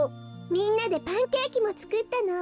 みんなでパンケーキもつくったの。